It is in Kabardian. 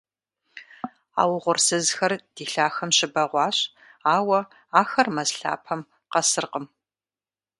А угъурсызхэр ди лъахэм щыбэгъуащ, ауэ ахэр мэз лъапэм къэсыркъым.